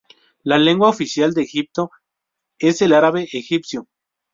La lengua oficial de Egipto es el árabe-egipcio.